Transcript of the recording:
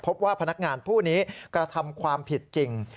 พบว่าพนักงานผู้นี้กระทำความผิดจริง